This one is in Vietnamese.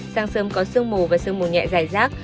sang sơm có sương mù và sương mù nhẹ dài rác